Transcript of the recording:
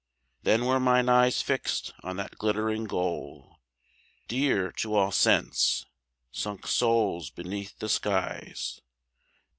Then were mine eyes fixed on that glittering goal, Dear to all sense sunk souls beneath the skies.